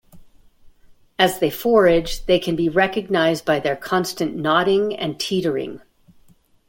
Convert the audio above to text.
As they forage, they can be recognized by their constant nodding and teetering.